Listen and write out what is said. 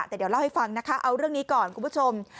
แต่เดี๋ยวเล่าให้ฟังนะคะเอาเรื่องนี้ก่อนคุณผู้ชม